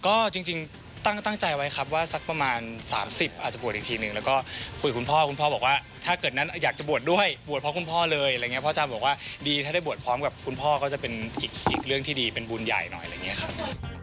ก็จริงตั้งใจไว้ครับว่าสักประมาณ๓๐อาจจะบวชอีกทีนึงแล้วก็คุยกับคุณพ่อคุณพ่อบอกว่าถ้าเกิดนั้นอยากจะบวชด้วยบวชเพราะคุณพ่อเลยอะไรอย่างนี้พ่ออาจารย์บอกว่าดีถ้าได้บวชพร้อมกับคุณพ่อก็จะเป็นอีกเรื่องที่ดีเป็นบุญใหญ่หน่อยอะไรอย่างนี้ครับ